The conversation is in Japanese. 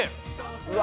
うわ！